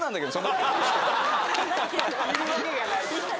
いるわけがない。